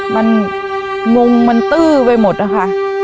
มันงงมันตื้อไปหมดนะคะ